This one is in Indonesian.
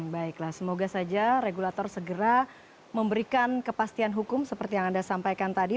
baiklah semoga saja regulator segera memberikan kepastian hukum seperti yang anda sampaikan tadi